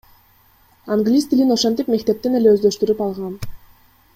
Англис тилин ошентип мектептен эле өздөштүрүп алгам.